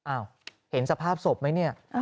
เห็นสภาพศพไหมเนี่ย